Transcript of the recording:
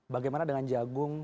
bagaimana dengan jagung